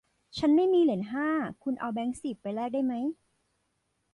ฉันไม่มีเหรียญห้า คุณเอาแบงค์สิบไปแลกได้ไหม